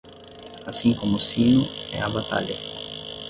Assim como o sino, é a batalha.